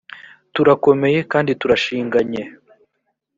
turakomeye kandi turashinganye